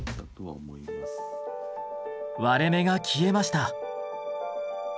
割れ目が消えました。